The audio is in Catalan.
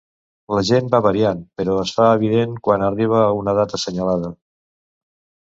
La gent va variant, però es fa evident quan arriba una data assenyalada.